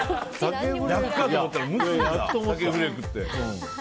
焼くかと思ったら蒸すんだ鮭フレークって。